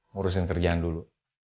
ngurusin kerjaan dulu